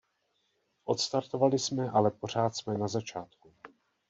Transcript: Odstartovali jsme, ale pořád jsme na začátku.